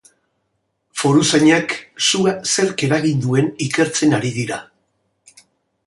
Foruzainak sua zerk eragin duen ikertzen ari dira.